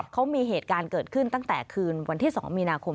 เขามีเหตุการณ์เกิดขึ้นตั้งแต่คืนวันที่๒มีนาคม